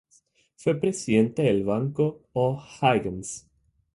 Fue vicepresidente del Banco O'Higgins.